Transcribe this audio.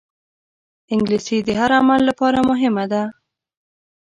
انګلیسي د هر عمر لپاره مهمه ده